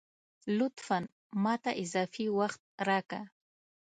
لطفاً ! ماته اضافي وخت راکه